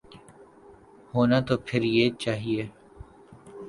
ہونا تو پھر یہ چاہیے۔